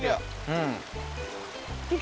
うん。